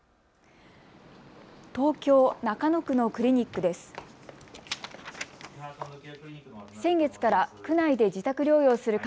東京中野区のクリニックです。